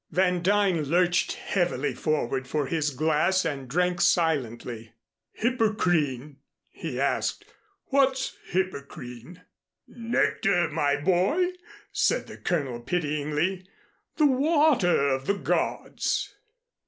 Van Duyn lurched heavily forward for his glass, and drank silently. "Hippocrene?" he asked. "What's Hippocrene?" "Nectar, my boy," said the Colonel pityingly, "the water of the gods."